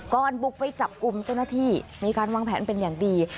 บุกไปจับกลุ่มเจ้าหน้าที่มีการวางแผนเป็นอย่างดี